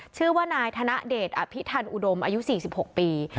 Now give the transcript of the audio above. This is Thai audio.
ชื่อว่านายธนเดชอภิทันอุดมอายุ๔๖ปี